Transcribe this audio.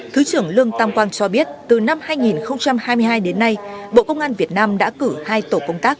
thứ trưởng lương tam quang cho biết từ năm hai nghìn hai mươi hai đến nay bộ công an việt nam đã cử hai tổ công tác